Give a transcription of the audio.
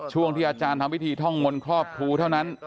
ช่วงที่อาจารย์ทำพิธีท่องมนต์ครอบครูเท่านั้น